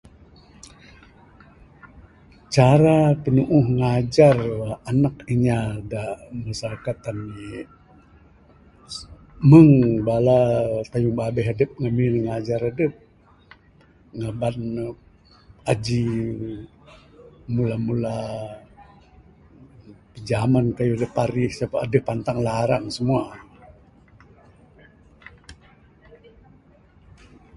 Cara pinuuh ngajar anak inya da mung sitakat ami, mung bala tayung babeh adup ngamin ngajar adup. Ngaban aji mula-mula kijaman kayuh da parih sebab adeh pantang larang simua.